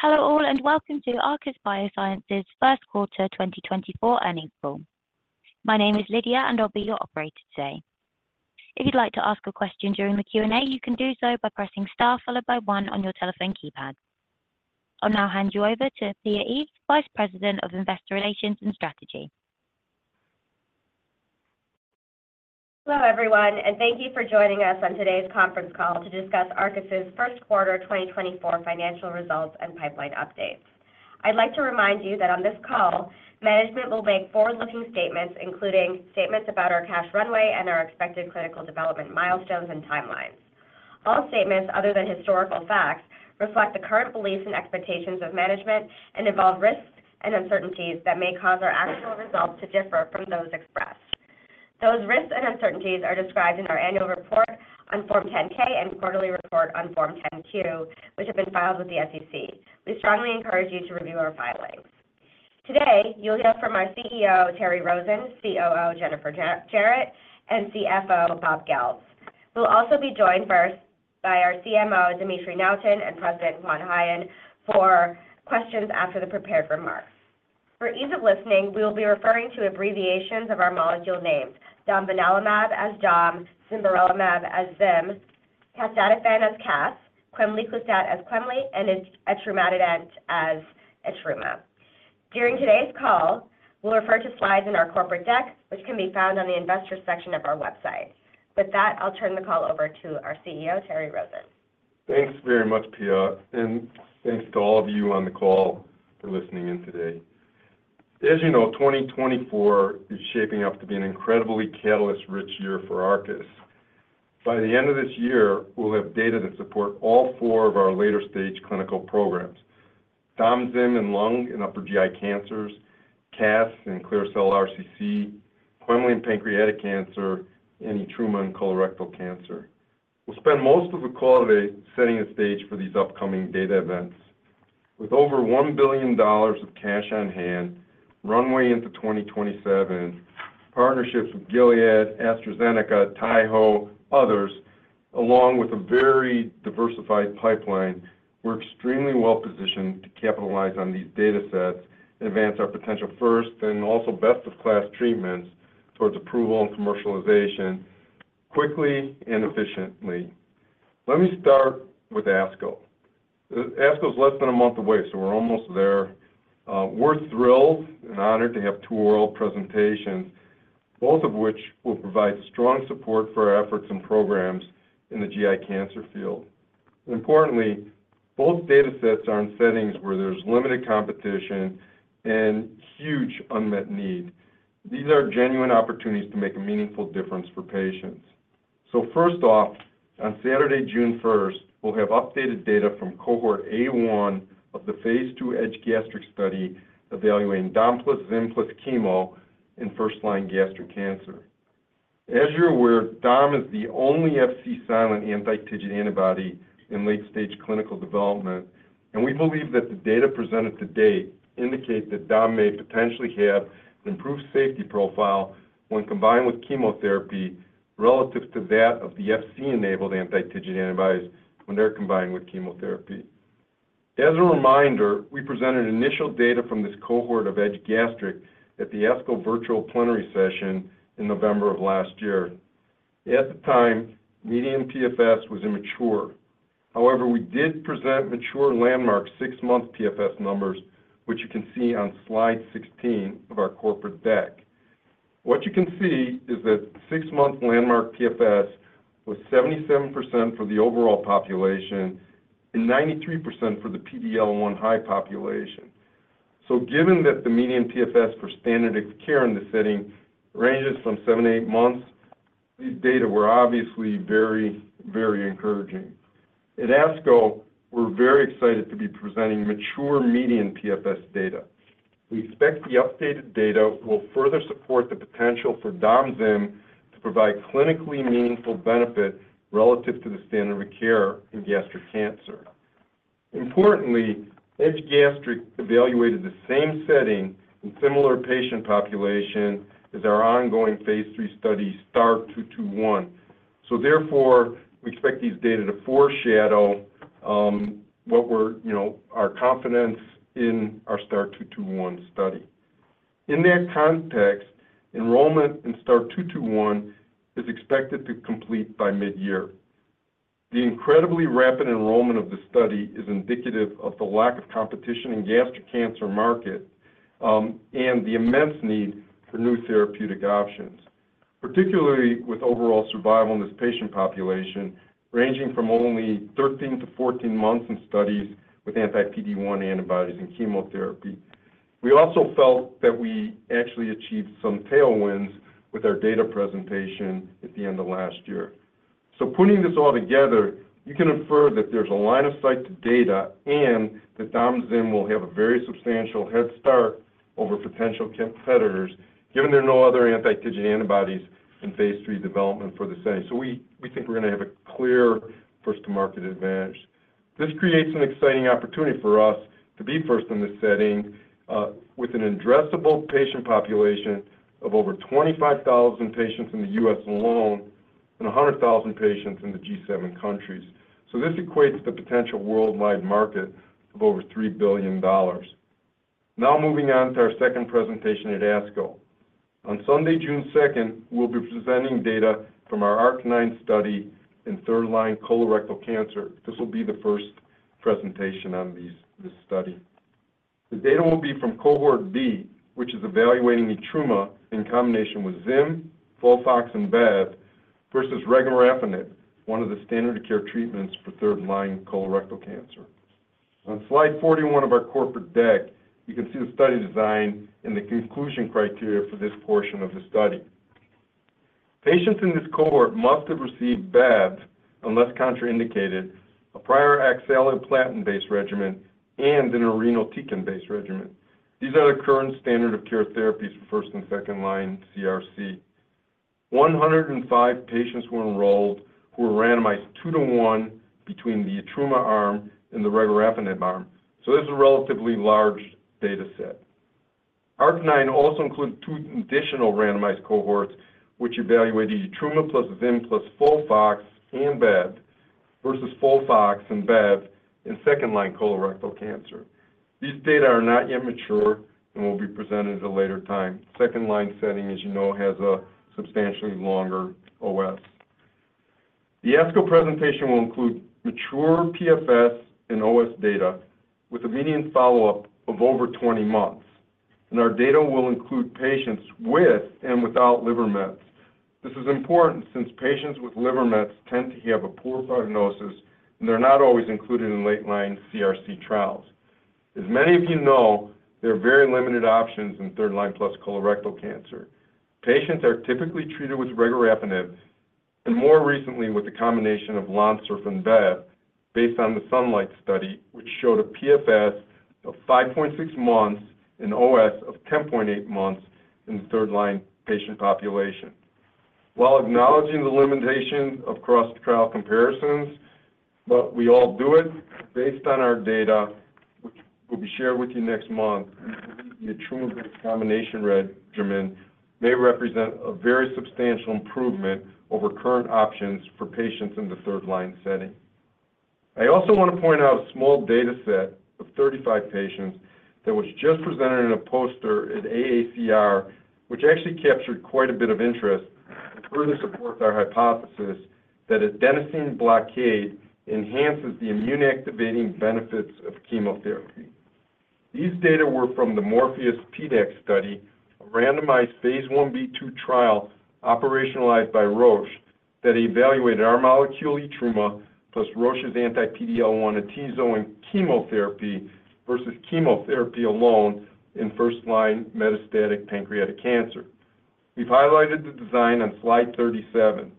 Hello all and welcome to Arcus Biosciences' first quarter 2024 earnings call. My name is Lydia and I'll be your operator today. If you'd like to ask a question during the Q&A, you can do so by pressing Star followed by 1 on your telephone keypad. I'll now hand you over to Pia Eaves, Vice President of Investor Relations and Strategy. Hello everyone, and thank you for joining us on today's conference call to discuss Arcus's first quarter 2024 financial results and pipeline updates. I'd like to remind you that on this call, management will make forward-looking statements including statements about our cash runway and our expected clinical development milestones and timelines. All statements other than historical facts reflect the current beliefs and expectations of management and involve risks and uncertainties that may cause our actual results to differ from those expressed. Those risks and uncertainties are described in our annual report on Form 10-K and quarterly report on Form 10-Q, which have been filed with the SEC. We strongly encourage you to review our filings. Today you'll hear from our CEO Terry Rosen, COO Jennifer Jarrett, and CFO Bob Goeltz. We'll also be joined by our CMO Dimitry Nuyten and President Juan Jaen for questions after the prepared remarks. For ease of listening, we will be referring to abbreviations of our molecule names: Domvanalimab as Dom, Zimberelimab as Zym, Casdatifan as Cas, Quemliclustat as Quemli, and Etrumadenant as Etruma. During today's call, we'll refer to slides in our corporate deck which can be found on the investors section of our website. With that, I'll turn the call over to our CEO Terry Rosen. Thanks very much, Pia, and thanks to all of you on the call for listening in today. As you know, 2024 is shaping up to be an incredibly catalyst-rich year for Arcus. By the end of this year, we'll have data to support all four of our later-stage clinical programs: Dom, Zym, and lung and upper GI cancers; Cas and clear-cell RCC; Quemli and pancreatic cancer; and Etruma and colorectal cancer. We'll spend most of the call today setting the stage for these upcoming data events. With over $1 billion of cash on hand, runway into 2027, partnerships with Gilead, AstraZeneca, Taiho, others, along with a very diversified pipeline, we're extremely well-positioned to capitalize on these data sets and advance our potential first and also best-of-class treatments towards approval and commercialization quickly and efficiently. Let me start with ASCO. ASCO is less than a month away, so we're almost there. We're thrilled and honored to have two oral presentations, both of which will provide strong support for our efforts and programs in the GI cancer field. Importantly, both data sets are in settings where there's limited competition and huge unmet need. These are genuine opportunities to make a meaningful difference for patients. So first off, on Saturday, June 1st, we'll have updated data from cohort A1 of the phase II Edge Gastric study evaluating Dom+Zym+Chemo in first-line gastric cancer. As you're aware, Dom is the only Fc-silent anti-TIGIT antibody in late-stage clinical development, and we believe that the data presented to date indicate that Dom may potentially have an improved safety profile when combined with chemotherapy relative to that of the Fc-enabled anti-TIGIT antibodies when they're combined with chemotherapy. As a reminder, we presented initial data from this cohort of Edge Gastric at the ASCO virtual plenary session in November of last year. At the time, median PFS was immature. However, we did present mature landmark 6-month PFS numbers, which you can see on slide 16 of our corporate deck. What you can see is that 6-month landmark PFS was 77% for the overall population and 93% for the PD-L1 high population. So given that the median PFS for standard care in this setting ranges from 7-8 months, these data were obviously very, very encouraging. At ASCO, we're very excited to be presenting mature median PFS data. We expect the updated data will further support the potential for Dom+Zym to provide clinically meaningful benefit relative to the standard of care in gastric cancer. Importantly, Edge Gastric evaluated the same setting and similar patient population as our ongoing phase III study STAR221. So therefore, we expect these data to foreshadow what we are seeing or our confidence in our STAR221 study. In that context, enrollment in STAR221 is expected to complete by mid-year. The incredibly rapid enrollment of the study is indicative of the lack of competition in the gastric cancer market and the immense need for new therapeutic options, particularly with overall survival in this patient population ranging from only 13-14 months in studies with anti-PD-1 antibodies and chemotherapy. We also felt that we actually achieved some tailwinds with our data presentation at the end of last year. Putting this all together, you can infer that there's a line of sight to data and that domvanalimab will have a very substantial head start over potential competitors given there are no other anti-TIGIT antibodies in phase III development for this setting. We think we're going to have a clear first-to-market advantage. This creates an exciting opportunity for us to be first in this setting with an addressable patient population of over 25,000 patients in the U.S. alone and 100,000 patients in the G7 countries. This equates to the potential worldwide market of over $3 billion. Now moving on to our second presentation at ASCO. On Sunday, June 2nd, we'll be presenting data from our Arc9 study in third-line colorectal cancer. This will be the first presentation on this study. The data will be from cohort B, which is evaluating Etrumadenant in combination with Zimberelimab, FOLFOX, and BEV versus Regorafenib, one of the standard-of-care treatments for third-line colorectal cancer. On slide 41 of our corporate deck, you can see the study design and the inclusion criteria for this portion of the study. Patients in this cohort must have received BEV, unless contraindicated, a prior oxaliplatin-based regimen and an anti-PD-1-based regimen. These are the current standard-of-care therapies for first- and second-line CRC. 105 patients were enrolled who were randomized 2 to 1 between the Etrumadenant arm and the Regorafenib arm. So this is a relatively large data set. ARC-9 also included two additional randomized cohorts which evaluated Etrumadenant plus Zimberelimab plus FOLFOX and BEV versus FOLFOX and BEV in second-line colorectal cancer. These data are not yet mature and will be presented at a later time. Second-line setting, as you know, has a substantially longer OS. The ASCO presentation will include mature PFS and OS data with a median follow-up of over 20 months. Our data will include patients with and without liver mets. This is important since patients with liver mets tend to have a poor prognosis and they're not always included in late-line CRC trials. As many of you know, there are very limited options in third-line plus colorectal cancer. Patients are typically treated with regorafenib and more recently with a combination of Lonsurf and BEV based on the Sunlight study, which showed a PFS of 5.6 months and OS of 10.8 months in the third-line patient population. While acknowledging the limitations of cross-trial comparisons, but we all do it based on our data, which will be shared with you next month, we believe the Etrumadenant-based combination regimen may represent a very substantial improvement over current options for patients in the third-line setting. I also want to point out a small data set of 35 patients that was just presented in a poster at AACR, which actually captured quite a bit of interest and further supports our hypothesis that adenosine blockade enhances the immune-activating benefits of chemotherapy. These data were from the Morpheus PDAC study, a randomized phase 1b/2 trial operationalized by Roche that evaluated our molecule Etrumadenant plus Roche's anti-PD-L1 and gemcitabine and nab-paclitaxel versus chemotherapy alone in first-line metastatic pancreatic cancer. We've highlighted the design on slide 37.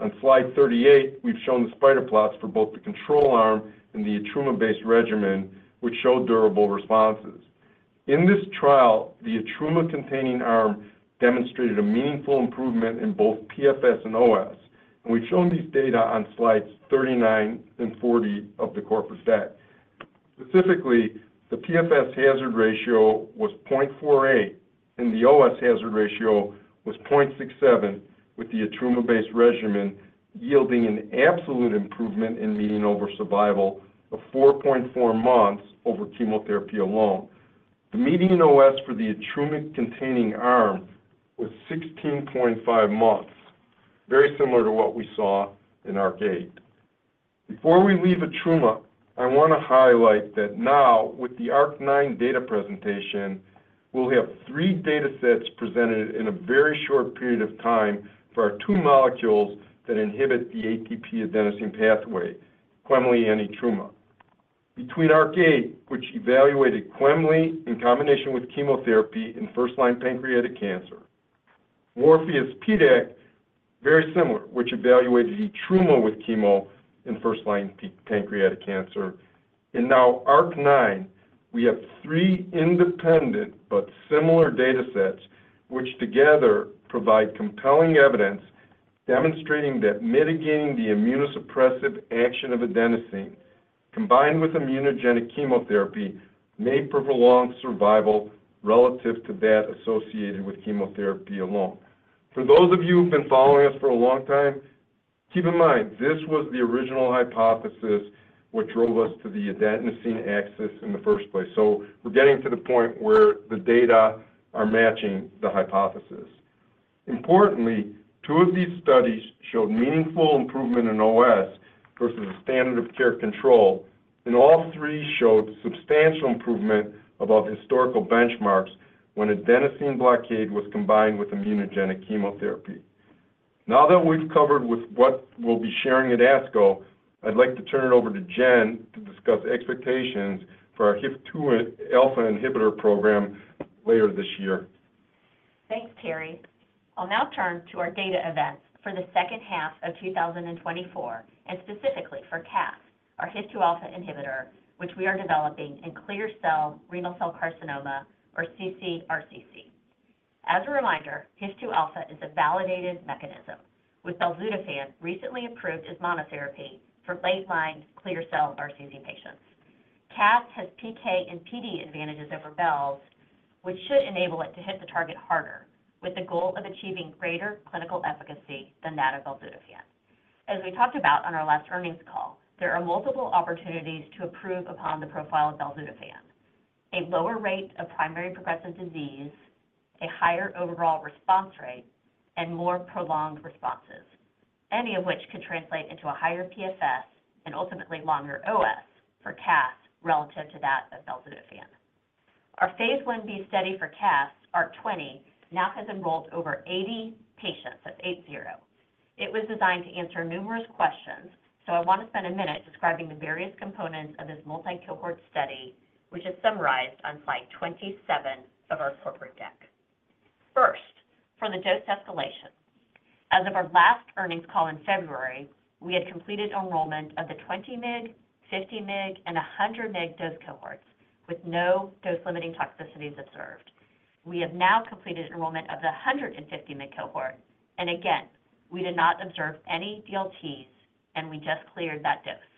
On slide 38, we've shown the spider plots for both the control arm and the Etrumadenant-based regimen, which showed durable responses. In this trial, the Etrumadenant-containing arm demonstrated a meaningful improvement in both PFS and OS, and we've shown these data on slides 39 and 40 of the corporate deck. Specifically, the PFS hazard ratio was 0.48 and the OS hazard ratio was 0.67, with the Etrumadenant-based regimen yielding an absolute improvement in median overall survival of 4.4 months over chemotherapy alone. The median OS for the Etrumadenant-containing arm was 16.5 months, very similar to what we saw in Arc8. Before we leave Etrumadenant, I want to highlight that now, with the Arc9 data presentation, we'll have three data sets presented in a very short period of time for our two molecules that inhibit the ATP adenosine pathway, quemliclustat and Etrumadenant. Between ARC-8, which evaluated quemliclustat in combination with chemotherapy in first-line pancreatic cancer. Morpheus PDAC, very similar, which evaluated etrumadenant with chemo in first-line pancreatic cancer. And now, ARC-9, we have three independent but similar data sets which together provide compelling evidence demonstrating that mitigating the immunosuppressive action of adenosine, combined with immunogenic chemotherapy, may prolong survival relative to that associated with chemotherapy alone. For those of you who've been following us for a long time, keep in mind this was the original hypothesis which drove us to the adenosine axis in the first place. So we're getting to the point where the data are matching the hypothesis. Importantly, two of these studies showed meaningful improvement in OS versus the standard-of-care control, and all three showed substantial improvement above historical benchmarks when adenosine blockade was combined with immunogenic chemotherapy. Now that we've covered what we'll be sharing at ASCO, I'd like to turn it over to Jen to discuss expectations for our HIF-2 alpha inhibitor program later this year. Thanks, Terry. I'll now turn to our data events for the second half of 2024 and specifically for Cas, our HIF-2 alpha inhibitor, which we are developing in clear-cell renal cell carcinoma, or ccRCC. As a reminder, HIF-2 alpha is a validated mechanism, with belzutifan recently approved as monotherapy for late-line clear-cell RCC patients. Cas has PK and PD advantages over Belz, which should enable it to hit the target harder with the goal of achieving greater clinical efficacy than that of belzutifan. As we talked about on our last earnings call, there are multiple opportunities to improve upon the profile of belzutifan: a lower rate of primary progressive disease, a higher overall response rate, and more prolonged responses, any of which could translate into a higher PFS and ultimately longer OS for Cas relative to that of belzutifan. Our phase 1b study for Cas, Arc20, now has enrolled over 80 patients. That's 80. It was designed to answer numerous questions, so I want to spend a minute describing the various components of this multi-cohort study, which is summarized on slide 27 of our corporate deck. First, for the dose escalation. As of our last earnings call in February, we had completed enrollment of the 20 mg, 50 mg, and 100 mg dose cohorts with no dose-limiting toxicities observed. We have now completed enrollment of the 150 mg cohort, and again, we did not observe any DLTs, and we just cleared that dose.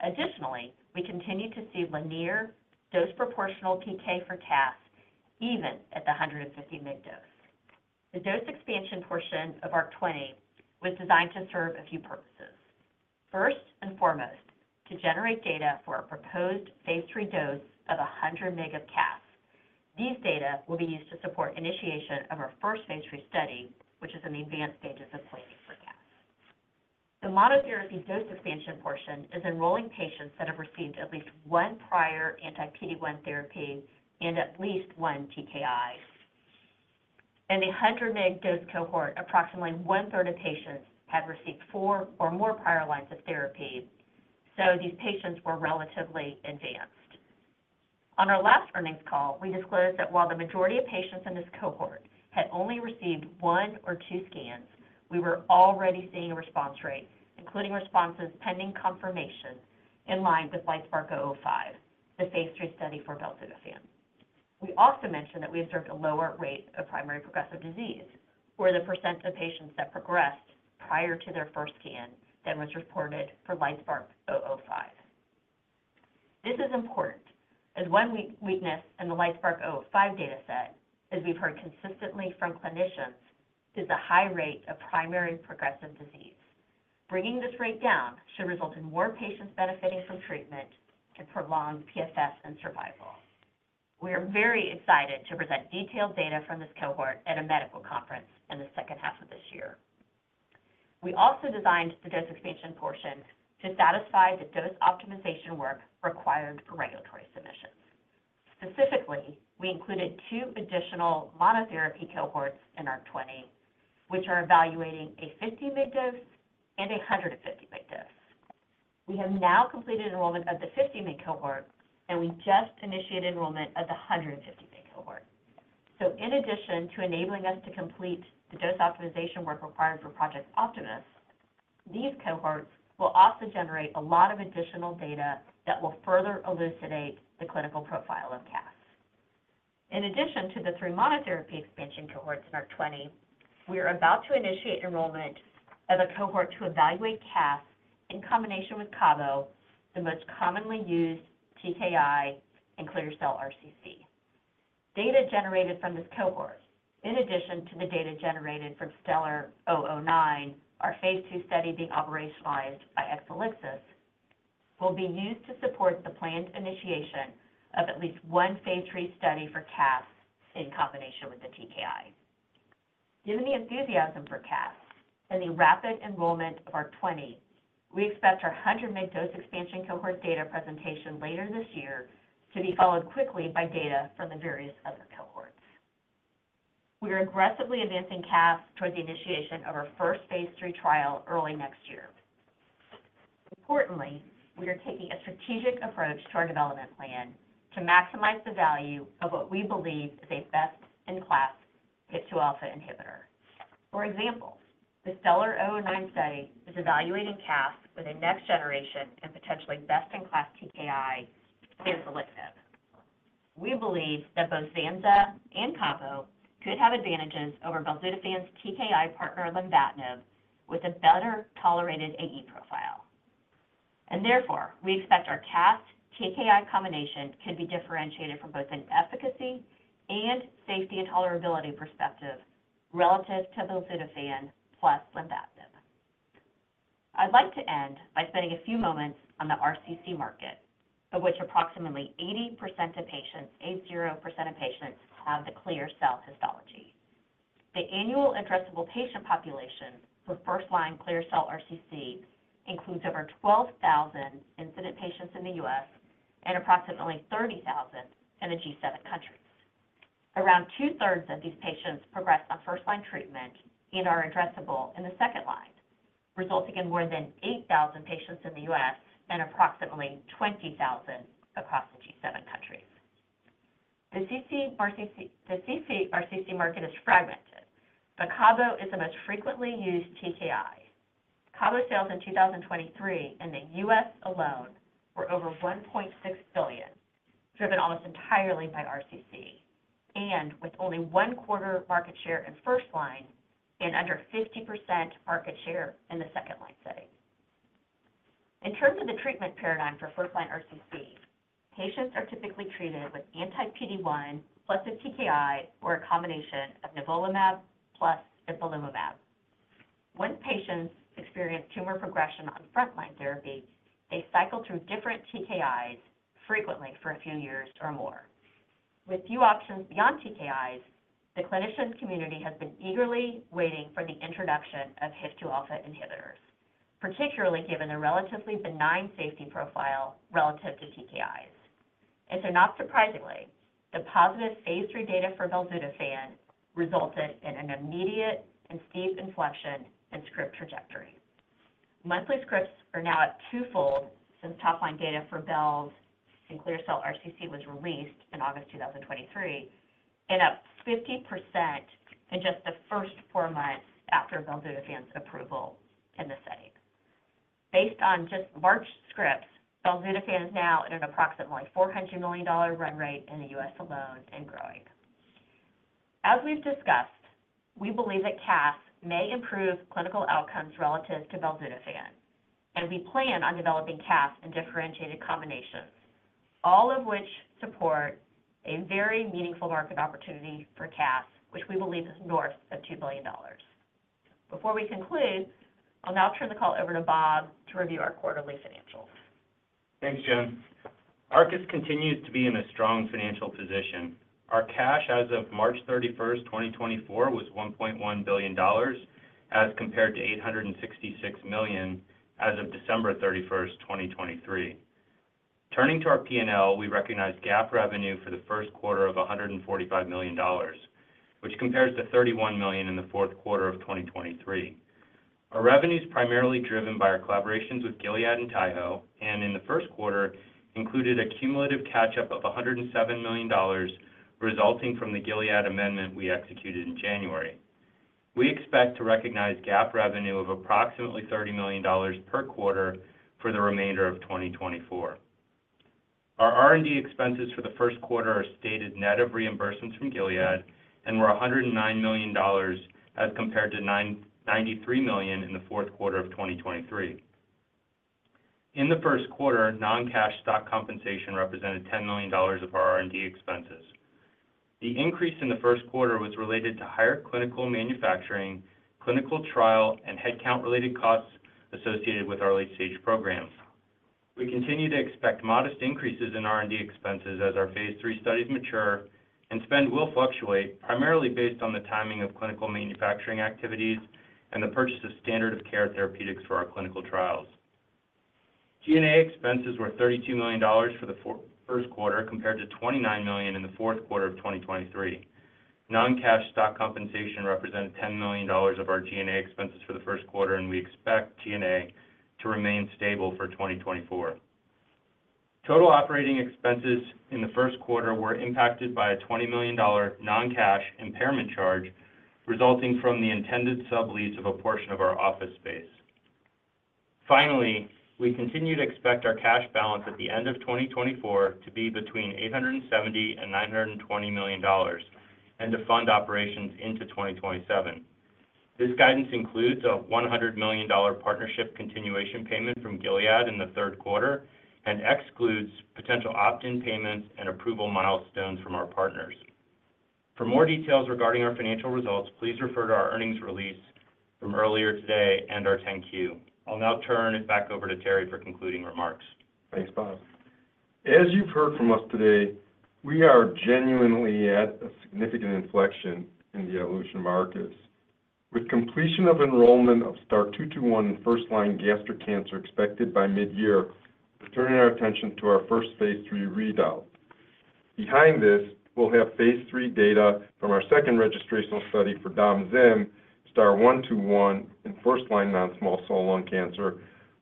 Additionally, we continue to see linear dose-proportional PK for Cas even at the 150 mg dose. The dose expansion portion of Arc20 was designed to serve a few purposes. First and foremost, to generate data for our proposed phase 3 dose of 100 mg of Cas. These data will be used to support initiation of our first phase III study, which is in the advanced stages of planning for casdatifan. The monotherapy dose expansion portion is enrolling patients that have received at least one prior anti-PD-1 therapy and at least one TKI. In the 100 mg dose cohort, approximately one-third of patients had received four or more prior lines of therapy, so these patients were relatively advanced. On our last earnings call, we disclosed that while the majority of patients in this cohort had only received one or two scans, we were already seeing a response rate, including responses pending confirmation, in line with LIGHTSPARK-005, the phase III study for belzutifan. We also mentioned that we observed a lower rate of primary progressive disease, where the percent of patients that progressed prior to their first scan then was reported for LIGHTSPARK-005. This is important, as one weakness in the LIGHTSPARK-005 data set, as we've heard consistently from clinicians, is the high rate of primary progressive disease. Bringing this rate down should result in more patients benefiting from treatment and prolonged PFS and survival. We are very excited to present detailed data from this cohort at a medical conference in the second half of this year. We also designed the dose expansion portion to satisfy the dose optimization work required for regulatory submissions. Specifically, we included two additional monotherapy cohorts in Arc20, which are evaluating a 50 mg dose and a 150 mg dose. We have now completed enrollment of the 50 mg cohort, and we just initiated enrollment of the 150 mg cohort. In addition to enabling us to complete the dose optimization work required for Project Optimus, these cohorts will also generate a lot of additional data that will further elucidate the clinical profile of Cas. In addition to the three monotherapy expansion cohorts in Arc20, we are about to initiate enrollment of a cohort to evaluate Cas in combination with CABO, the most commonly used TKI, and clear-cell RCC. Data generated from this cohort, in addition to the data generated from STELLAR-009, our phase II study being operationalized by Exelixis, will be used to support the planned initiation of at least one phase III study for Cas in combination with the TKI. Given the enthusiasm for Cas and the rapid enrollment of Arc20, we expect our 100 mg dose expansion cohort data presentation later this year to be followed quickly by data from the various other cohorts. We are aggressively advancing Cas towards the initiation of our first phase III trial early next year. Importantly, we are taking a strategic approach to our development plan to maximize the value of what we believe is a best-in-class HIF-2 alpha inhibitor. For example, the STELLAR-009 study is evaluating Cas with a next-generation and potentially best-in-class TKI, zanzalintinib. We believe that both Zanza and CABO could have advantages over belzutifan's TKI partner, Lenvima, with a better tolerated AE profile. And therefore, we expect our Cas-TKI combination could be differentiated from both an efficacy and safety and tolerability perspective relative to belzutifan plus Lenvima. I'd like to end by spending a few moments on the RCC market, of which approximately 80% of patients, 80% of patients, have the clear-cell histology. The annual addressable patient population for first-line clear-cell RCC includes over 12,000 incident patients in the U.S. and approximately 30,000 in the G7 countries. Around two-thirds of these patients progress on first-line treatment and are addressable in the second line, resulting in more than 8,000 patients in the U.S. and approximately 20,000 across the G7 countries. The ccRCC market is fragmented, but CABO is the most frequently used TKI. CABO sales in 2023 in the U.S. alone were over $1.6 billion, driven almost entirely by RCC, and with only 25% market share in first-line and under 50% market share in the second-line setting. In terms of the treatment paradigm for first-line RCC, patients are typically treated with anti-PD-1 plus a TKI or a combination of nivolumab plus ipilimumab. When patients experience tumor progression on front-line therapy, they cycle through different TKIs frequently for a few years or more. With few options beyond TKIs, the clinician community has been eagerly waiting for the introduction of HIF-2 alpha inhibitors, particularly given the relatively benign safety profile relative to TKIs. And so not surprisingly, the positive Phase III data for belzutifan resulted in an immediate and steep inflection in script trajectory. Monthly scripts are now at twofold since top-line data for Belz and clear-cell RCC was released in August 2023, and up 50% in just the first four months after belzutifan's approval in this setting. Based on just March scripts, belzutifan is now at an approximately $400 million run rate in the U.S. alone and growing. As we've discussed, we believe that Cas may improve clinical outcomes relative to belzutifan, and we plan on developing Cas in differentiated combinations, all of which support a very meaningful market opportunity for Cas, which we believe is north of $2 billion. Before we conclude, I'll now turn the call over to Bob to review our quarterly financials. Thanks, Jen. Arcus continues to be in a strong financial position. Our cash as of March 31st, 2024, was $1.1 billion as compared to $866 million as of December 31st, 2023. Turning to our P&L, we recognize GAAP revenue for the first quarter of $145 million, which compares to $31 million in the fourth quarter of 2023. Our revenue is primarily driven by our collaborations with Gilead and Taiho, and in the first quarter, included cumulative catch-up of $107 million resulting from the Gilead amendment we executed in January. We expect to recognize GAAP revenue of approximately $30 million per quarter for the remainder of 2024. Our R&D expenses for the first quarter are stated net of reimbursements from Gilead, and were $109 million as compared to $93 million in the fourth quarter of 2023. In the first quarter, non-cash stock compensation represented $10 million of our R&D expenses. The increase in the first quarter was related to higher clinical manufacturing, clinical trial, and headcount-related costs associated with our late-stage programs. We continue to expect modest increases in R&D expenses as our phase III studies mature and spend will fluctuate primarily based on the timing of clinical manufacturing activities and the purchase of standard-of-care therapeutics for our clinical trials. G&A expenses were $32 million for the first quarter compared to $29 million in the fourth quarter of 2023. Non-cash stock compensation represented $10 million of our G&A expenses for the first quarter, and we expect G&A to remain stable for 2024. Total operating expenses in the first quarter were impacted by a $20 million non-cash impairment charge resulting from the intended sublease of a portion of our office space. Finally, we continue to expect our cash balance at the end of 2024 to be between $870 and $920 million and to fund operations into 2027. This guidance includes a $100 million partnership continuation payment from Gilead in the third quarter and excludes potential opt-in payments and approval milestones from our partners. For more details regarding our financial results, please refer to our earnings release from earlier today and our 10-Q. I'll now turn it back over to Terry for concluding remarks. Thanks, Bob. As you've heard from us today, we are genuinely at a significant inflection in the evolution markets. With completion of enrollment of STAR221 first-line gastric cancer expected by mid-year, we're turning our attention to our first phase 3 readout. Behind this, we'll have phase 3 data from our second registration study for domvanalimab, STAR121, and first-line non-small cell lung cancer,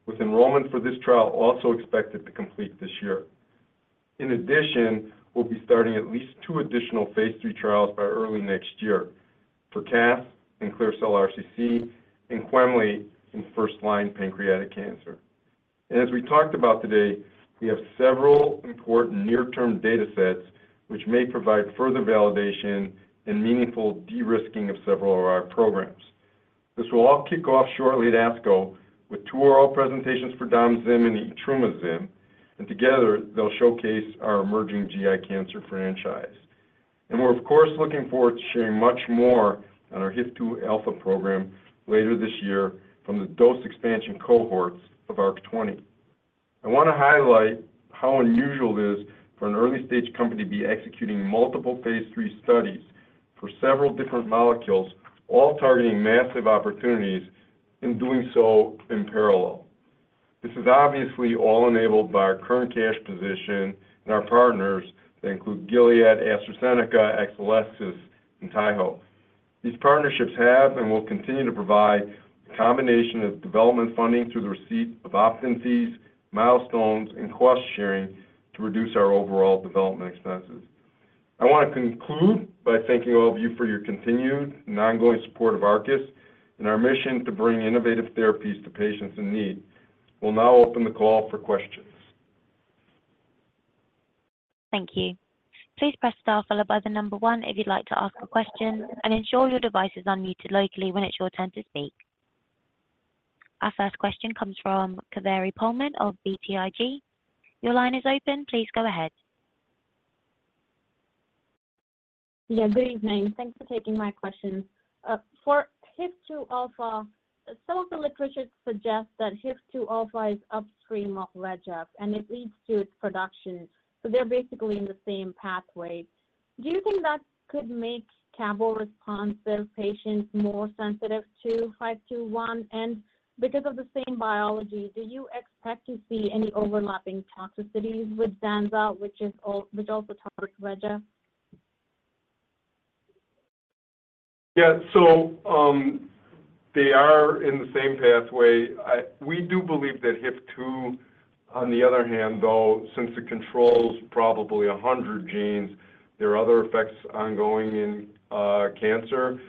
with enrollment for this trial also expected to complete this year. In addition, we'll be starting at least two additional phase 3 trials by early next year for casdatifan and clear-cell RCC and quemliclustat in first-line pancreatic cancer. As we talked about today, we have several important near-term data sets which may provide further validation and meaningful de-risking of several of our programs. This will all kick off shortly at ASCO with two oral presentations for Domvanalimab and Etrumadenant-zimberelimab, and together, they'll showcase our emerging GI cancer franchise. We're, of course, looking forward to sharing much more on our HIF-2 alpha program later this year from the dose expansion cohorts of Arc20. I want to highlight how unusual it is for an early-stage company to be executing multiple phase 3 studies for several different molecules, all targeting massive opportunities and doing so in parallel. This is obviously all enabled by our current cash position and our partners that include Gilead, AstraZeneca, Exelixis, and Taiho. These partnerships have and will continue to provide a combination of development funding through the receipt of opt-in fees, milestones, and cost sharing to reduce our overall development expenses. I want to conclude by thanking all of you for your continued and ongoing support of Arcus and our mission to bring innovative therapies to patients in need. We'll now open the call for questions. Thank you. Please press star followed by the number one if you'd like to ask a question, and ensure your device is unmuted locally when it's your turn to speak. Our first question comes from Kaveri Pohlman of BTIG. Your line is open. Please go ahead. Yeah. Good evening. Thanks for taking my question. For HIF-2 alpha, some of the literature suggests that HIF-2 alpha is upstream of VEGF, and it leads to its production. So they're basically in the same pathway. Do you think that could make CABO-responsive patients more sensitive to 521? And because of the same biology, do you expect to see any overlapping toxicities with zanza, which also targets VEGF? Yeah. So they are in the same pathway. We do believe that HIF-2, on the other hand, though, since it controls probably 100 genes, there are other effects ongoing in cancer.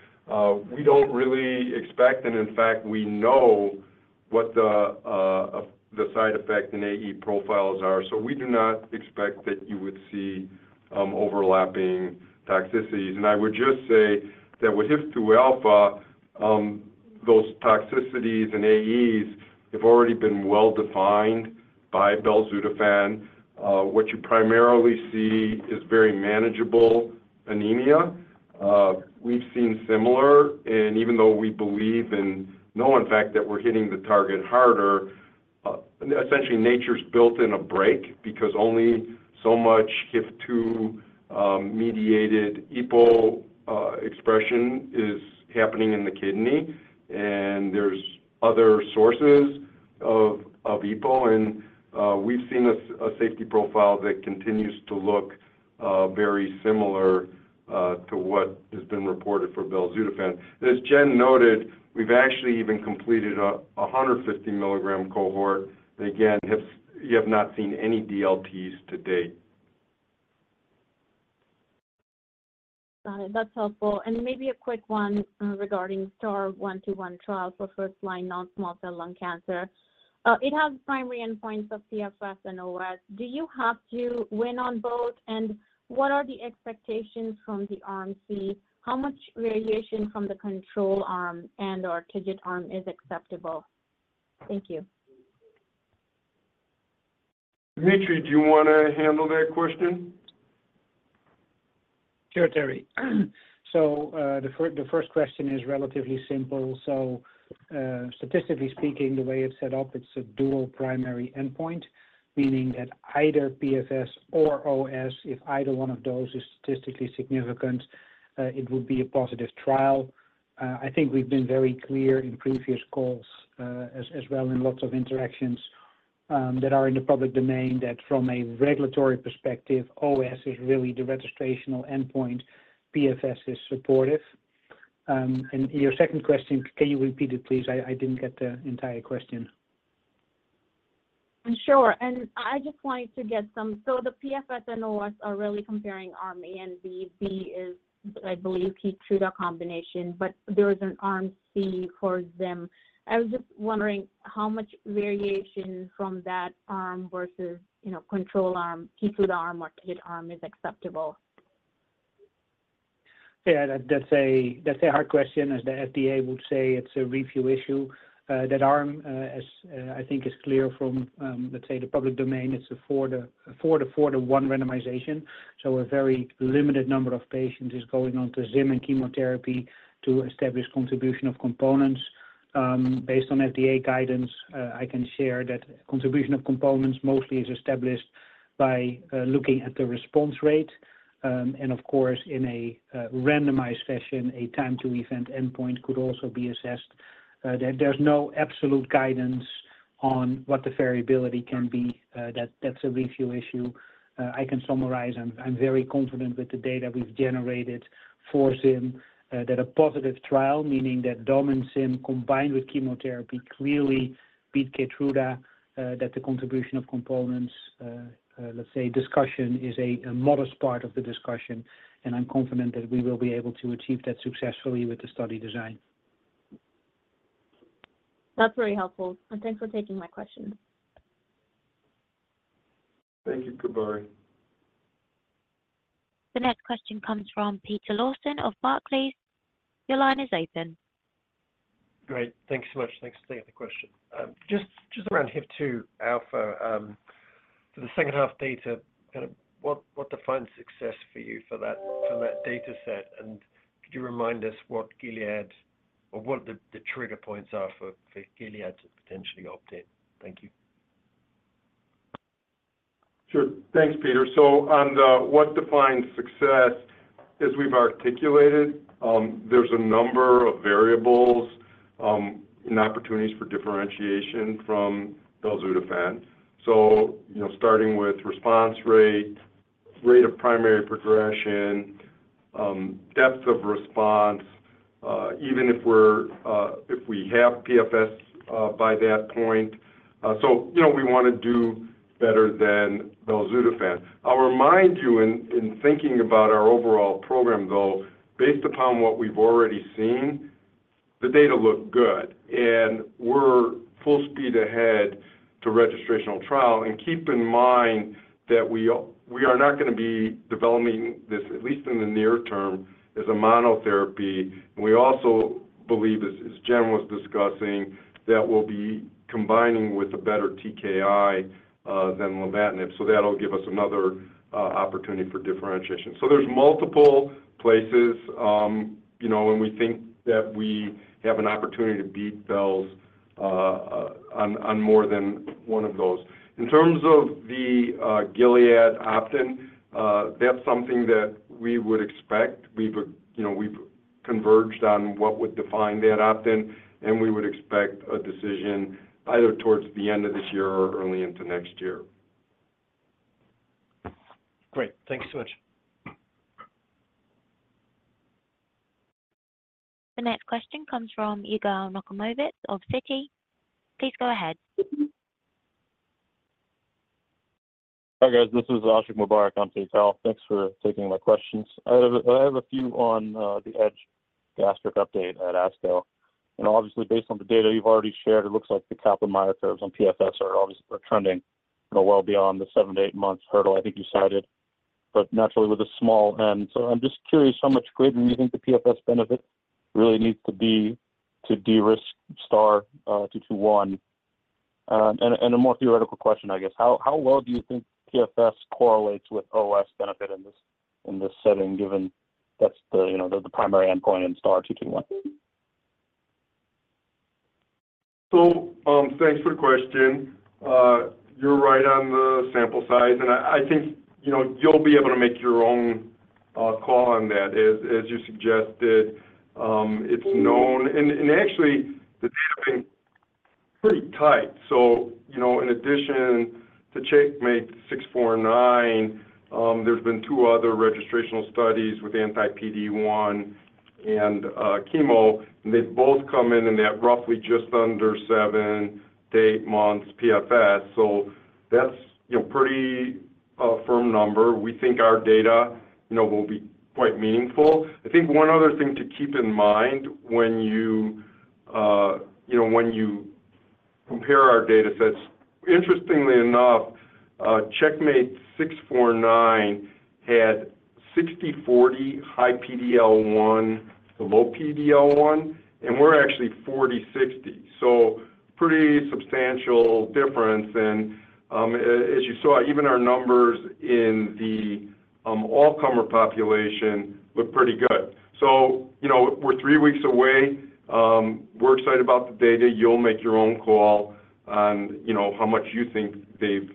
We don't really expect, and in fact, we know what the side effect and AE profiles are. So we do not expect that you would see overlapping toxicities. And I would just say that with HIF-2 alpha, those toxicities and AEs have already been well-defined by belzutifan. What you primarily see is very manageable anemia. We've seen similar. And even though we believe in knowing, in fact, that we're hitting the target harder, essentially, nature's built in a break because only so much HIF-2-mediated EPO expression is happening in the kidney, and there's other sources of EPO. And we've seen a safety profile that continues to look very similar to what has been reported for belzutifan. As Jen noted, we've actually even completed a 150-milligram cohort. And again, you have not seen any DLTs to date. Got it. That's helpful. And maybe a quick one regarding STAR121 trial for first-line non-small cell lung cancer. It has primary endpoints of PFS and OS. Do you have to win on both? And what are the expectations from the arms? How much variation from the control arm and/or TIGIT arm is acceptable? Thank you. Dimitry, do you want to handle that question? Sure, Terry. So the first question is relatively simple. So statistically speaking, the way it's set up, it's a dual primary endpoint, meaning that either PFS or OS, if either one of those is statistically significant, it would be a positive trial. I think we've been very clear in previous calls as well in lots of interactions that are in the public domain that from a regulatory perspective, OS is really the registrational endpoint. PFS is supportive. And your second question, can you repeat it, please? I didn't get the entire question. Sure. I just wanted to get some so the PFS and OS are really comparing arm A and B. B is, I believe, Keytruda combination, but there is an arm C for Zim. I was just wondering how much variation from that arm versus control arm, Keytruda arm, or TIGIT arm is acceptable. Yeah. That's a hard question as the FDA would say it's a review issue. That arm, I think, is clear from, let's say, the public domain. It's a 4:1 randomization. So a very limited number of patients is going on to Zim and chemotherapy to establish contribution of components. Based on FDA guidance, I can share that contribution of components mostly is established by looking at the response rate. And of course, in a randomized fashion, a time-to-event endpoint could also be assessed. There's no absolute guidance on what the variability can be. That's a review issue. I can summarize. I'm very confident with the data we've generated for Zim that a positive trial, meaning that Dom and Zim combined with chemotherapy clearly beat Keytruda, that the contribution of components, let's say, discussion is a modest part of the discussion. I'm confident that we will be able to achieve that successfully with the study design. That's very helpful. Thanks for taking my question. Thank you, Kaveri. The next question comes from Peter Lawson of Barclays. Your line is open. Great. Thanks so much. Thanks for taking the question. Just around HIF-2 alpha, for the second-half data, kind of what defines success for you from that data set? And could you remind us what Gilead or what the trigger points are for Gilead to potentially opt in? Thank you. Sure. Thanks, Peter. So on what defines success, as we've articulated, there's a number of variables and opportunities for differentiation from belzutifan. So starting with response rate, rate of primary progression, depth of response, even if we have PFS by that point. So we want to do better than belzutifan. I'll remind you, in thinking about our overall program, though, based upon what we've already seen, the data look good. And we're full speed ahead to registrational trial. And keep in mind that we are not going to be developing this, at least in the near term, as a monotherapy. And we also believe, as Jen was discussing, that we'll be combining with a better TKI than lenvatinib. So that'll give us another opportunity for differentiation. So there's multiple places when we think that we have an opportunity to beat belzutifan on more than one of those. In terms of the Gilead opt-in, that's something that we would expect. We've converged on what would define that opt-in, and we would expect a decision either towards the end of this year or early into next year. Great. Thanks so much. The next question comes from Yigal Nochomovitz of Citi. Please go ahead. Hi guys. This is Ashiq Mubarack on for Yigal. Thanks for taking my questions. I have a few on the Arcus gastric update at ASCO. Obviously, based on the data you've already shared, it looks like the Kaplan-Meier curves on PFS are trending well beyond the 7-8-month hurdle I think you cited, but naturally with a small N. So I'm just curious how much greater do you think the PFS benefit really needs to be to de-risk STAR221? And a more theoretical question, I guess, how well do you think PFS correlates with OS benefit in this setting given that's the primary endpoint in STAR221? So thanks for the question. You're right on the sample size. And I think you'll be able to make your own call on that. As you suggested, it's known. And actually, the data has been pretty tight. So in addition to CheckMate-649, there's been two other registrational studies with anti-PD-1 and chemo. And they've both come in in that roughly just under 7-8 months PFS. So that's a pretty firm number. We think our data will be quite meaningful. I think one other thing to keep in mind when you compare our data sets, interestingly enough, CheckMate-649 had 60/40 high PD-L1 to low PD-L1, and we're actually 40/60. So pretty substantial difference. And as you saw, even our numbers in the all-comer population look pretty good. So we're three weeks away. We're excited about the data. You'll make your own call on how much you think they've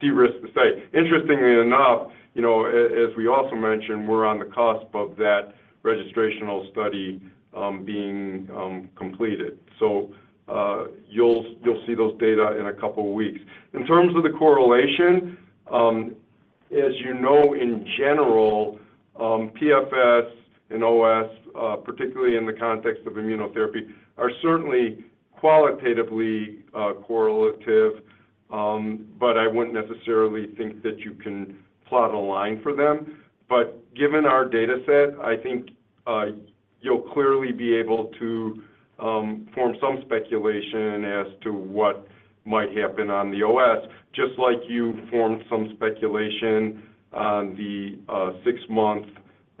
de-risked the site. Interestingly enough, as we also mentioned, we're on the cusp of that registrational study being completed. So you'll see those data in a couple of weeks. In terms of the correlation, as you know, in general, PFS and OS, particularly in the context of immunotherapy, are certainly qualitatively correlative. But I wouldn't necessarily think that you can plot a line for them. But given our data set, I think you'll clearly be able to form some speculation as to what might happen on the OS, just like you formed some speculation on the six-month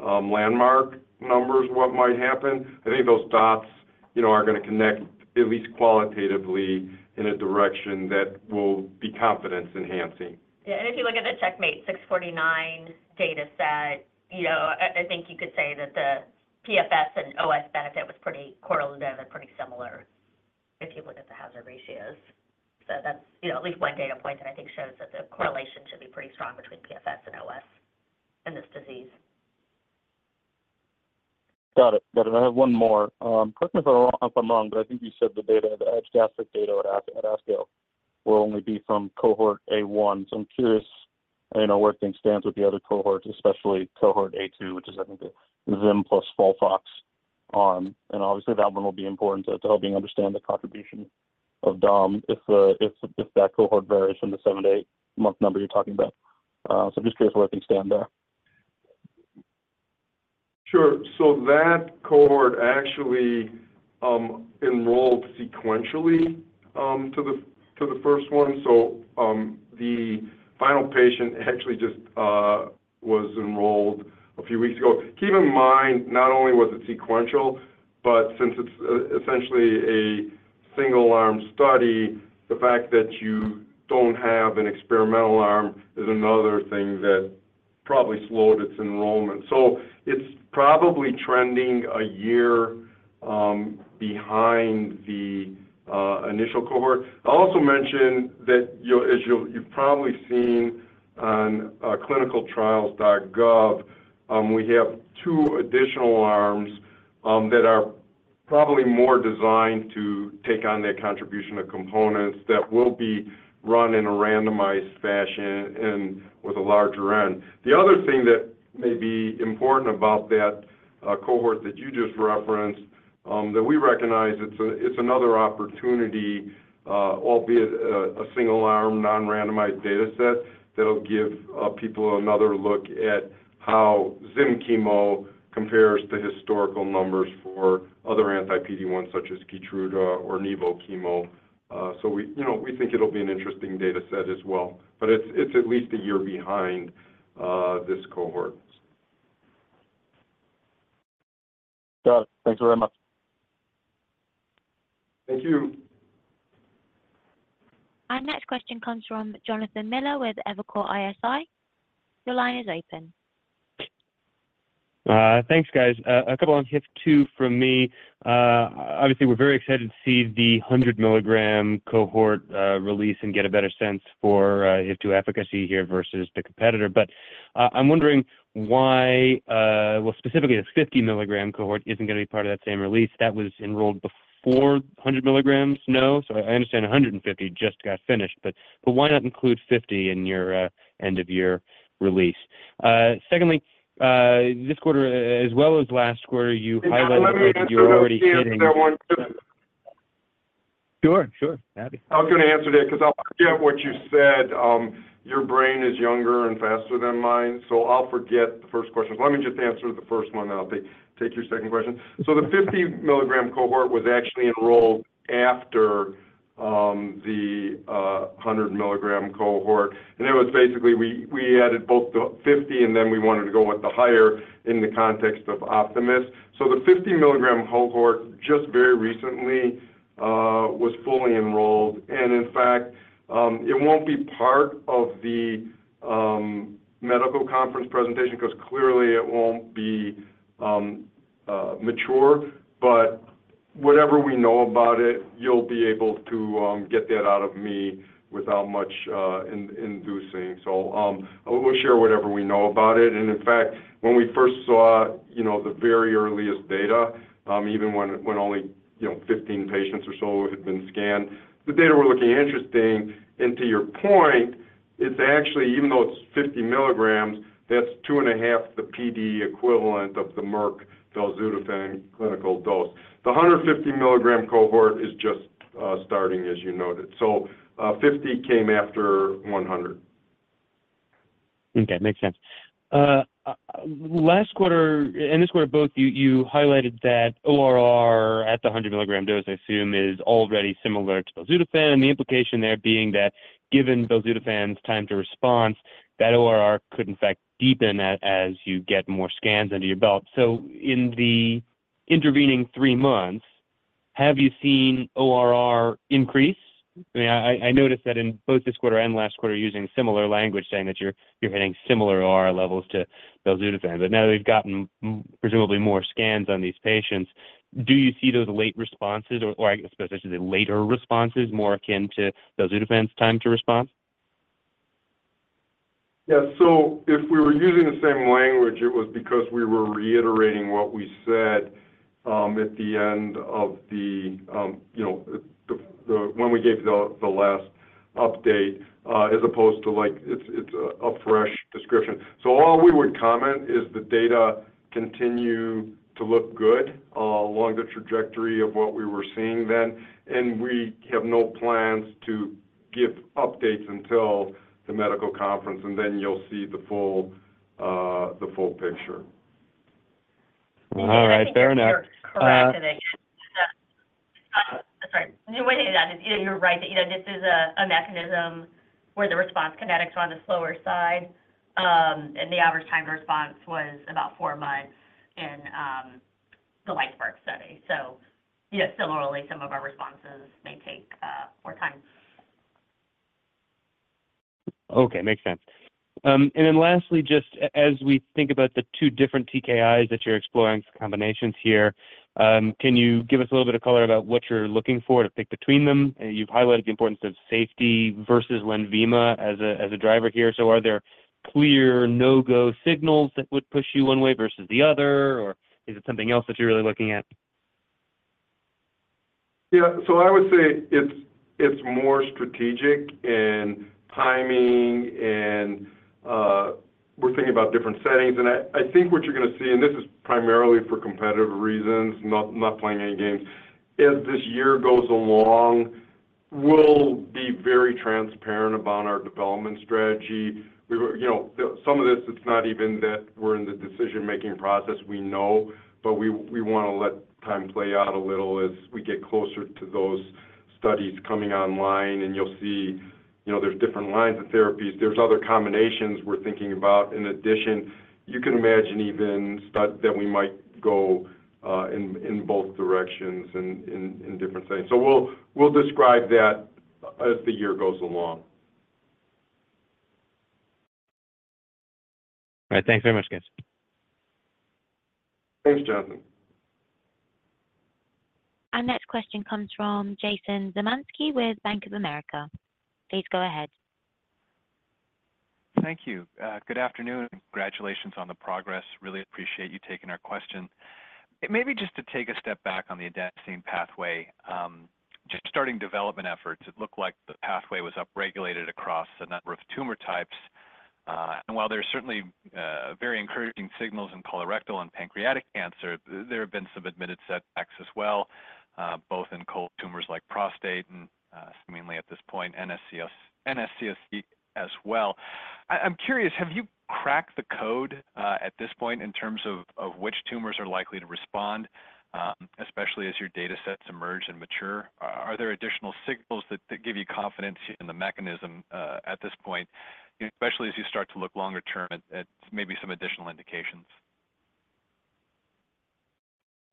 landmark numbers, what might happen. I think those dots are going to connect, at least qualitatively, in a direction that will be confidence-enhancing. Yeah. If you look at the CheckMate 649 data set, I think you could say that the PFS and OS benefit was pretty correlative and pretty similar if you look at the hazard ratios. That's at least one data point that I think shows that the correlation should be pretty strong between PFS and OS in this disease. Got it. Got it. I have one more. Correct me if I'm wrong, but I think you said the Arcus gastric data at ASCO will only be from cohort A1. So I'm curious where things stand with the other cohorts, especially cohort A2, which is, I think, the Zim plus FOLFOX arm. And obviously, that one will be important to helping understand the contribution of Dom if that cohort varies from the 7-8-month number you're talking about. So I'm just curious where things stand there. Sure. So that cohort actually enrolled sequentially to the first one. So the final patient actually just was enrolled a few weeks ago. Keep in mind, not only was it sequential, but since it's essentially a single-arm study, the fact that you don't have an experimental arm is another thing that probably slowed its enrollment. So it's probably trending a year behind the initial cohort. I'll also mention that, as you've probably seen on ClinicalTrials.gov, we have two additional arms that are probably more designed to take on that contribution of components that will be run in a randomized fashion and with a larger end. The other thing that may be important about that cohort that you just referenced, that we recognize it's another opportunity, albeit a single-arm, non-randomized data set, that'll give people another look at how zimberelimab chemo compares to historical numbers for other anti-PD-1s such as Keytruda or nivolumab chemo. So we think it'll be an interesting data set as well. But it's at least a year behind this cohort. Got it. Thanks very much. Thank you. Our next question comes from Jonathan Miller with Evercore ISI. Your line is open. Thanks, guys. A couple on HIF2 from me. Obviously, we're very excited to see the 100-milligram cohort release and get a better sense for HIF2 efficacy here versus the competitor. But I'm wondering why, well, specifically, the 50-milligram cohort isn't going to be part of that same release. That was enrolled before 100 milligrams, no? So I understand 150 just got finished. But why not include 50 in your end-of-year release? Secondly, this quarter, as well as last quarter, you highlighted that you're already hitting. Sure. Sure. Happy. I was going to answer that because I'll forget what you said. Your brain is younger and faster than mine. So I'll forget the first question. So let me just answer the first one, and I'll take your second question. So the 50-milligram cohort was actually enrolled after the 100-milligram cohort. And it was basically we added both the 50, and then we wanted to go with the higher in the context of Optimis. So the 50-milligram cohort, just very recently, was fully enrolled. And in fact, it won't be part of the medical conference presentation because clearly, it won't be mature. But whatever we know about it, you'll be able to get that out of me without much inducing. So we'll share whatever we know about it. In fact, when we first saw the very earliest data, even when only 15 patients or so had been scanned, the data were looking interesting. To your point, it's actually, even though it's 50 milligrams, that's 2.5 the PD equivalent of the Merck belzutifan clinical dose. The 150-milligram cohort is just starting, as you noted. 50 came after 100. Okay. Makes sense. Last quarter, in this quarter, both, you highlighted that ORR at the 100 mg dose, I assume, is already similar to belzutifan, the implication there being that given belzutifan's time to response, that ORR could, in fact, deepen as you get more scans under your belt. So in the intervening three months, have you seen ORR increase? I mean, I noticed that in both this quarter and last quarter, using similar language, saying that you're hitting similar ORR levels to belzutifan. But now that we've gotten presumably more scans on these patients, do you see those late responses, or I suppose I should say later responses, more akin to belzutifan's time to response? Yeah. So if we were using the same language, it was because we were reiterating what we said at the end of the when we gave the last update, as opposed to it's a fresh description. So all we would comment is the data continue to look good along the trajectory of what we were seeing then. And we have no plans to give updates until the medical conference. And then you'll see the full picture. All right. Fair enough. Sorry. The way to do that is you're right that this is a mechanism where the response kinetics were on the slower side, and the average time to response was about four months in the LIGHTSPARK study. So similarly, some of our responses may take more time. Okay. Makes sense. And then lastly, just as we think about the two different TKIs that you're exploring as combinations here, can you give us a little bit of color about what you're looking for to pick between them? You've highlighted the importance of safety versus Lenvima as a driver here. So are there clear no-go signals that would push you one way versus the other? Or is it something else that you're really looking at? Yeah. So I would say it's more strategic in timing. And we're thinking about different settings. And I think what you're going to see - and this is primarily for competitive reasons, not playing any games - as this year goes along, we'll be very transparent about our development strategy. Some of this, it's not even that we're in the decision-making process. We know. But we want to let time play out a little as we get closer to those studies coming online. And you'll see there's different lines of therapies. There's other combinations we're thinking about. In addition, you can imagine even that we might go in both directions in different settings. So we'll describe that as the year goes along. All right. Thanks very much, guys. Thanks, Jonathan. Our next question comes from Jason Zemansky with Bank of America. Please go ahead. Thank you. Good afternoon. Congratulations on the progress. Really appreciate you taking our question. Maybe just to take a step back on the adenosine pathway, just starting development efforts, it looked like the pathway was upregulated across a number of tumor types. While there are certainly very encouraging signals in colorectal and pancreatic cancer, there have been some admitted setbacks as well, both in cold tumors like prostate and, seemingly at this point, NSCLC as well. I'm curious, have you cracked the code at this point in terms of which tumors are likely to respond, especially as your data sets emerge and mature? Are there additional signals that give you confidence in the mechanism at this point, especially as you start to look longer-term at maybe some additional indications?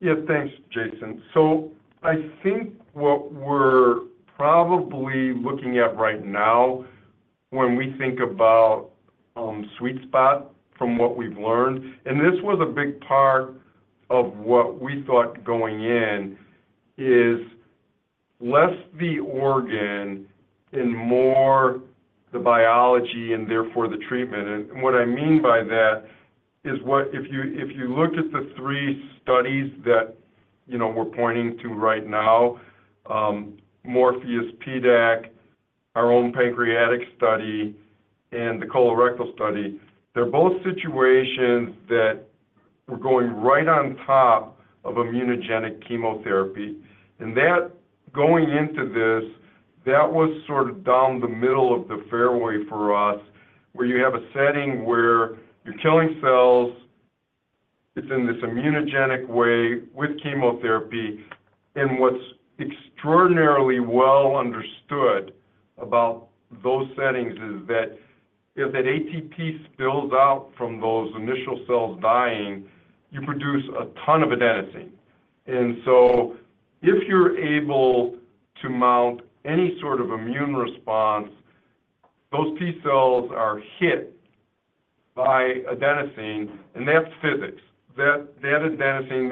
Yeah. Thanks, Jason. So I think what we're probably looking at right now when we think about sweet spot, from what we've learned, and this was a big part of what we thought going in, is less the organ and more the biology and therefore the treatment. And what I mean by that is if you looked at the three studies that we're pointing to right now, Morpheus, PDAC, our own pancreatic study, and the colorectal study, they're both situations that were going right on top of immunogenic chemotherapy. And going into this, that was sort of down the middle of the fairway for us, where you have a setting where you're killing cells. It's in this immunogenic way with chemotherapy. And what's extraordinarily well understood about those settings is that if that ATP spills out from those initial cells dying, you produce a ton of adenosine. And so if you're able to mount any sort of immune response, those T cells are hit by adenosine. And that's physics. That adenosine,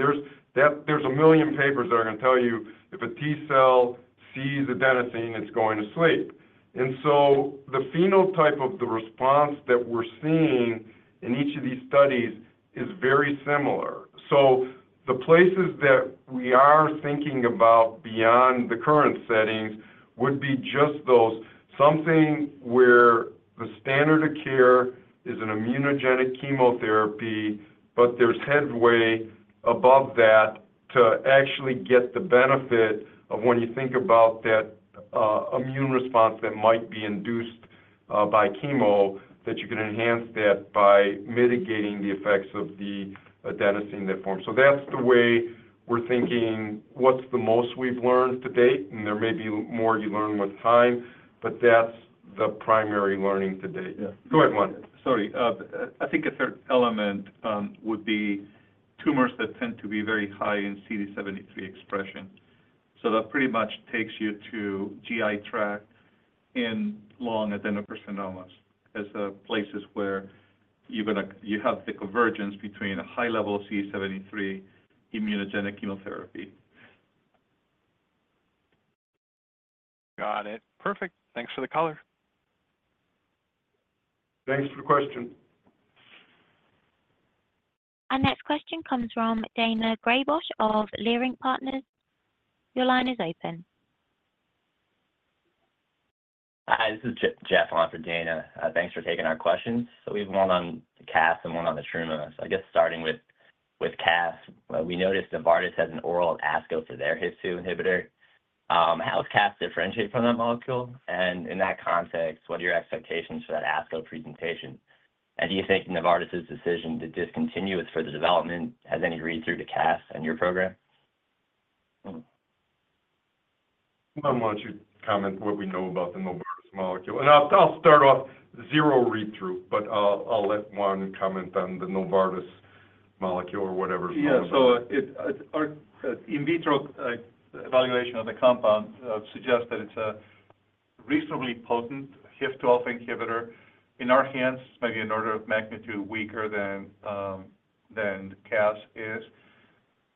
there's a million papers that are going to tell you if a T cell sees adenosine, it's going to sleep. And so the phenotype of the response that we're seeing in each of these studies is very similar. So the places that we are thinking about beyond the current settings would be just those, something where the standard of care is an immunogenic chemotherapy, but there's headway above that to actually get the benefit of when you think about that immune response that might be induced by chemo, that you can enhance that by mitigating the effects of the adenosine that forms. So that's the way we're thinking. What's the most we've learned to date? And there may be more you learn with time. But that's the primary learning to date. Go ahead, Juan. Yeah. Sorry. I think a third element would be tumors that tend to be very high in CD73 expression. So that pretty much takes you to GI tract and lung adenocarcinomas as the places where you have the convergence between a high level of CD73 immunogenic chemotherapy. Got it. Perfect. Thanks for the color. Thanks for the question. Our next question comes from Daina Graybosch of Leerink Partners. Your line is open. This is Jeff Liu for Dana. Thanks for taking our questions. So we have one on the Cas and one on the Truma. So I guess starting with Cas, we noticed Novartis has an oral ASCO for their HIF-2 inhibitor. How does Cas differentiate from that molecule? And in that context, what are your expectations for that ASCO presentation? And do you think Novartis's decision to discontinue its further development has any read-through to Cas and your program? I want you to comment what we know about the Novartis molecule. I'll start off zero read-through, but I'll let Juan comment on the Novartis molecule or whatever's known as it. Yeah. So our in vitro evaluation of the compound suggests that it's a reasonably potent HIF-2 inhibitor. In our hands, it's maybe an order of magnitude weaker than Cas is.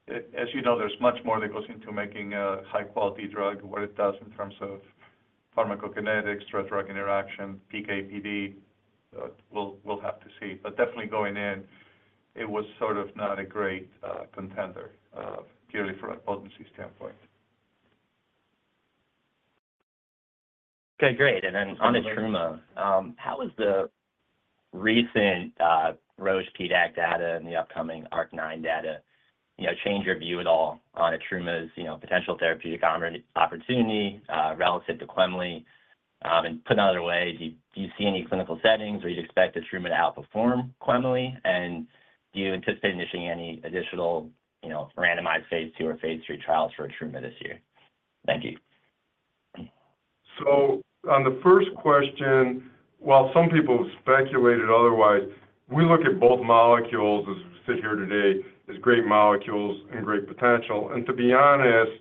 As you know, there's much more that goes into making a high-quality drug, what it does in terms of pharmacokinetics, drug-drug interaction, PKPD. We'll have to see. But definitely going in, it was sort of not a great contender purely from a potency standpoint. Okay. Great. And then on the etrumadenant, how has the recent Roche PDAC data and the upcoming Arc9 data changed your view at all on etrumadenant's potential therapeutic opportunity relative to quemliclustat? And put another way, do you see any clinical settings where you'd expect the etrumadenant to outperform quemliclustat? And do you anticipate initiating any additional randomized phase 2 or phase 3 trials for etrumadenant this year? Thank you. So on the first question, while some people speculated otherwise, we look at both molecules, as we sit here today, as great molecules and great potential. And to be honest,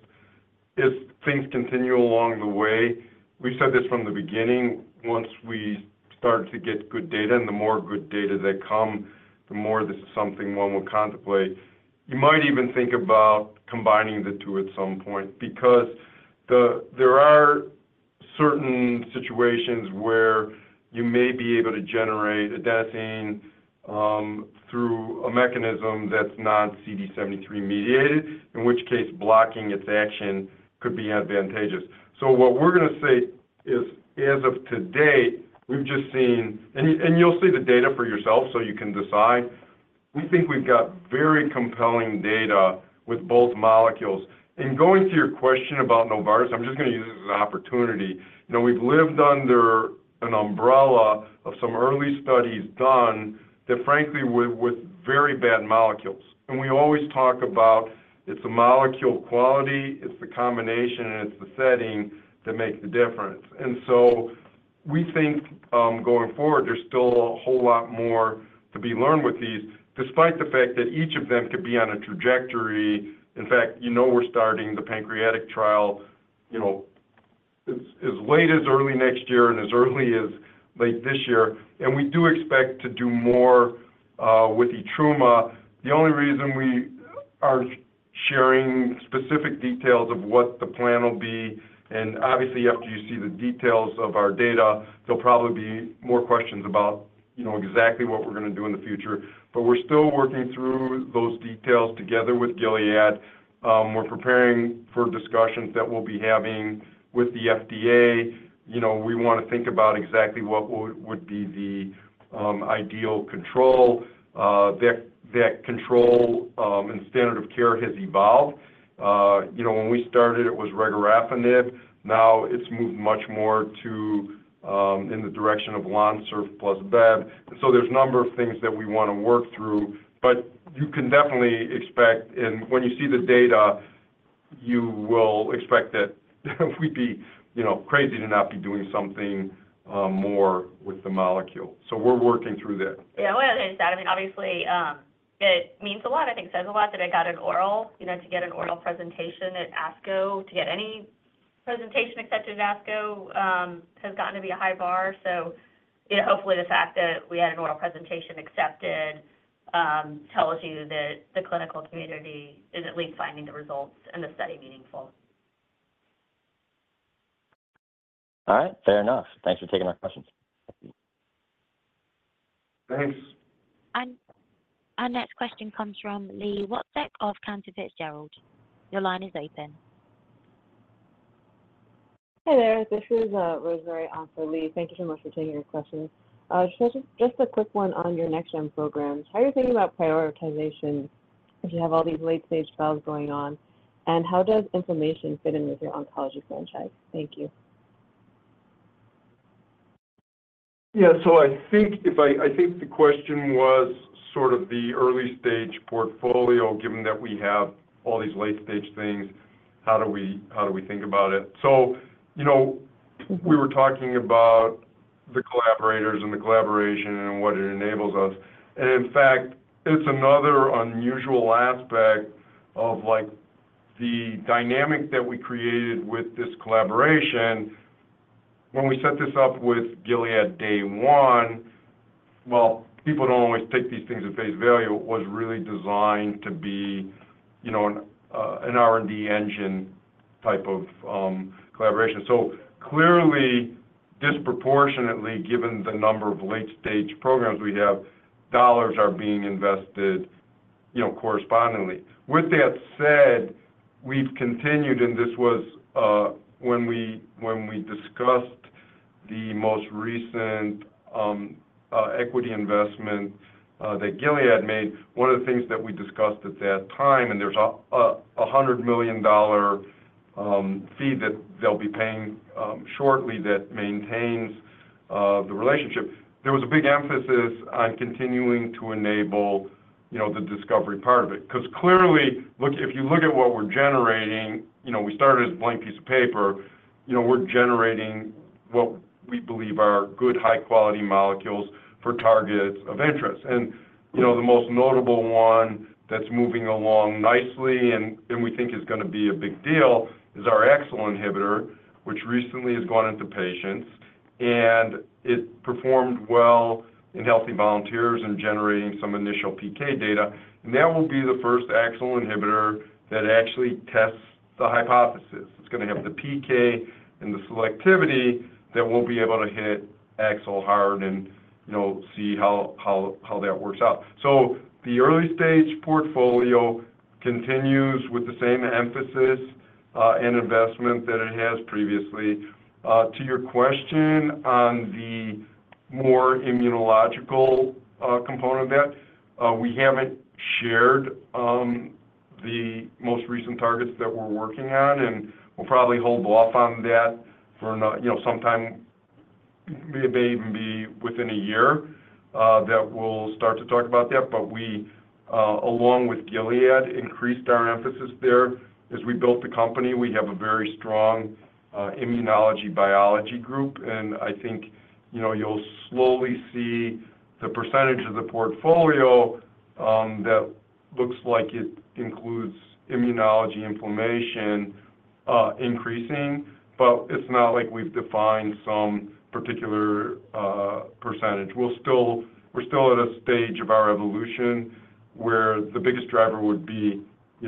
if things continue along the way we've said this from the beginning, once we start to get good data, and the more good data that come, the more this is something one would contemplate. You might even think about combining the two at some point because there are certain situations where you may be able to generate adenosine through a mechanism that's not CD73 mediated, in which case blocking its action could be advantageous. So what we're going to say is, as of today, we've just seen and you'll see the data for yourself so you can decide. We think we've got very compelling data with both molecules. Going to your question about Novartis, I'm just going to use this as an opportunity. We've lived under an umbrella of some early studies done that, frankly, were with very bad molecules. We always talk about it's the molecule quality, it's the combination, and it's the setting that makes the difference. So we think going forward, there's still a whole lot more to be learned with these, despite the fact that each of them could be on a trajectory. In fact, we're starting the pancreatic trial as late as early next year and as early as late this year. We do expect to do more with the TIGIT. The only reason we are sharing specific details of what the plan will be and obviously, after you see the details of our data, there'll probably be more questions about exactly what we're going to do in the future. But we're still working through those details together with Gilead. We're preparing for discussions that we'll be having with the FDA. We want to think about exactly what would be the ideal control. That control and standard of care has evolved. When we started, it was Regorafenib. Now, it's moved much more in the direction of Lonsurf plus Bev. So there's a number of things that we want to work through. But you can definitely expect and when you see the data, you will expect that we'd be crazy to not be doing something more with the molecule. So we're working through that. Yeah. Well, I mean, obviously, it means a lot. I think it says a lot that I got an oral presentation at ASCO. To get any presentation accepted at ASCO has gotten to be a high bar. So hopefully, the fact that we had an oral presentation accepted tells you that the clinical community is at least finding the results and the study meaningful. All right. Fair enough. Thanks for taking our questions. Thanks. Our next question comes from Li Watsek of Cantor Fitzgerald. Your line is open. Hi there. This is Rosemary also Li. Thank you so much for taking my question. Just a quick one on your NextGen programs. How are you thinking about prioritization as you have all these late-stage trials going on? And how does inflammation fit in with your oncology franchise? Thank you. Yeah. So I think the question was sort of the early-stage portfolio. Given that we have all these late-stage things, how do we think about it? So we were talking about the collaborators and the collaboration and what it enables us. And in fact, it's another unusual aspect of the dynamic that we created with this collaboration. When we set this up with Gilead day one, well, people don't always take these things at face value. It was really designed to be an R&D engine type of collaboration. So clearly, disproportionately, given the number of late-stage programs we have, dollars are being invested correspondingly. With that said, we've continued and this was when we discussed the most recent equity investment that Gilead made. One of the things that we discussed at that time and there's a $100 million fee that they'll be paying shortly that maintains the relationship. There was a big emphasis on continuing to enable the discovery part of it because clearly, if you look at what we're generating, we started as a blank piece of paper. We're generating what we believe are good, high-quality molecules for targets of interest. And the most notable one that's moving along nicely and we think is going to be a big deal is our AXL inhibitor, which recently has gone into patients. And it performed well in healthy volunteers and generating some initial PK data. And that will be the first AXL inhibitor that actually tests the hypothesis. It's going to have the PK and the selectivity that we'll be able to hit AXL hard and see how that works out. So the early-stage portfolio continues with the same emphasis and investment that it has previously. To your question on the more immunological component of that, we haven't shared the most recent targets that we're working on. And we'll probably hold off on that for some time. It may even be within a year that we'll start to talk about that. But along with Gilead, increased our emphasis there. As we built the company, we have a very strong immunology-biology group. And I think you'll slowly see the percentage of the portfolio that looks like it includes immunology inflammation increasing. But it's not like we've defined some particular percentage. We're still at a stage of our evolution where the biggest driver would be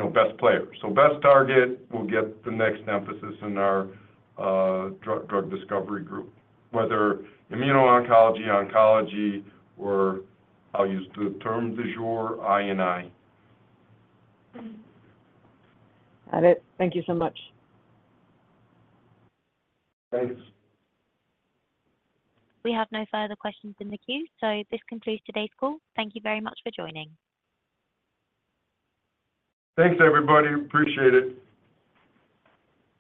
best players. So best target, we'll get the next emphasis in our drug discovery group, whether immuno-oncology, oncology, or I'll use the term de novo, I&I. Got it. Thank you so much. Thanks. We have no further questions in the queue. So this concludes today's call. Thank you very much for joining. Thanks, everybody. Appreciate it.